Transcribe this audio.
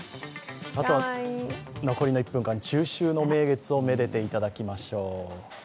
残りの１分間、中秋の名月を愛でていただきましょう。